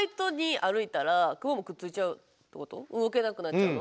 動けなくなっちゃうの？